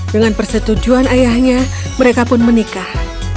dengan persetujuan ayahnya mereka pun menikah